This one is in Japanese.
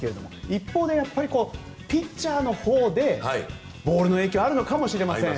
一方で、ピッチャーのほうでボールの影響があるのかもしれません。